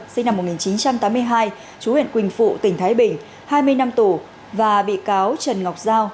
sinh năm một nghìn chín trăm tám mươi hai chú huyện quỳnh phụ tỉnh thái bình hai mươi năm tù và bị cáo trần ngọc giao